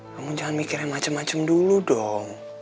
kamu jangan mikir yang macem macem dulu dong